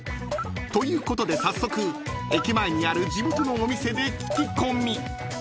［ということで早速駅前にある地元のお店で聞き込み］